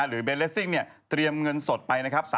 เบนเลสซิ่งเนี่ยเตรียมเงินสดไปนะครับ